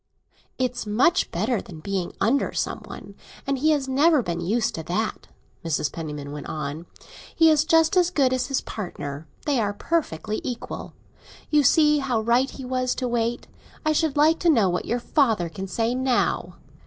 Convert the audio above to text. "It's much better than being under some one; and he has never been used to that," Mrs. Penniman went on. "He is just as good as his partner—they are perfectly equal! You see how right he was to wait. I should like to know what your father can say now!